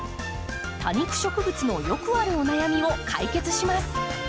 多肉植物のよくあるお悩みを解決します。